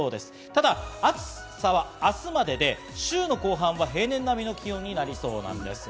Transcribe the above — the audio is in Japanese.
ただ、暑さは明日までで、週の後半は平年並みの気温になりそうなんです。